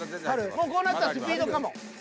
もうこうなったらスピードかも。